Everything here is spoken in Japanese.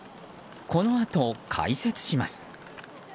このあと解説します。